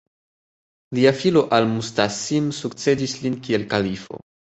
Lia filo Al-Musta'sim sukcedis lin kiel kalifo.